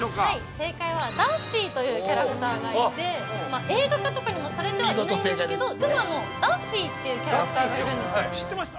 ◆正解は、ダッフィーというキャラクターがいて、映画化とかにもされてはいないんですけど、でも、ダッフィーというキャラクターがいるんですよ。